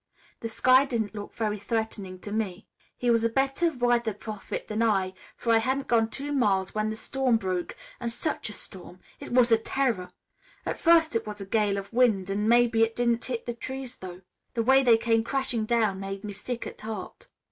The sky didn't look very threatening to me. "He was a better weather prophet than I, for I hadn't gone two miles when the storm broke. And such a storm! It was a terror! At first it was a gale of wind, and maybe it didn't hit the trees, though. The way they came crashing down made me sick at heart.